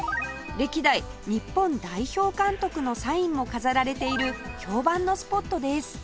歴代日本代表監督のサインも飾られている評判のスポットです